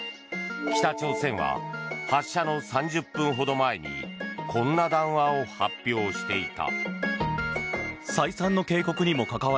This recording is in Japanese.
北朝鮮は発射の３０分ほど前にこんな談話を発表していた。